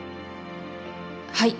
はい。